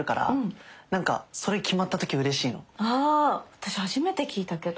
私初めて聞いたけど。